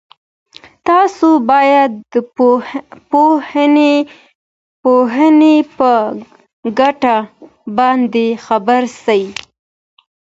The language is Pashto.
تاسو باید د پوهني په ګټه باندي خبر سئ.